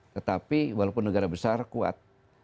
tetapi walaupun negara besar kuat